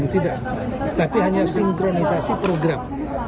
tidak tapi hanya sinkronisasi program